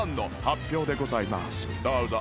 どうぞ